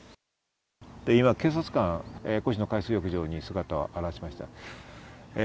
今、警察官が越廼海水浴場に姿を現しました。